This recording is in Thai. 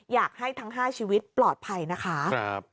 อยากให้ทั้ง๕ชีวิตปลอดภัยนะคะ